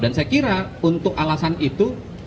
dan saya kira untuk alasan itu